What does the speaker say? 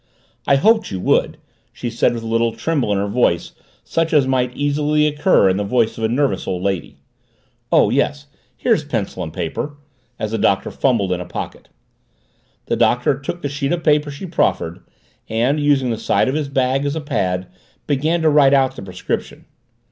"I hoped you would," she said with a little tremble in her voice such as might easily occur in the voice of a nervous old lady. "Oh, yes, here's paper and a pencil," as the Doctor fumbled in a pocket. The Doctor took the sheet of paper she proffered and, using the side of his bag as a pad, began to write out the prescription.